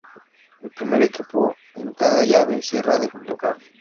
El primer equipo en cada llave cierra de local.